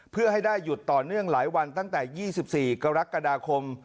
เพื่อให้ได้หยุดต่อเนื่องหลายวันตั้งแต่๒๔กรกฎาคม